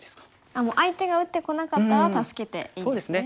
あっもう相手が打ってこなかったら助けていいんですね。